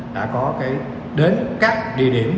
đã có đến các địa điểm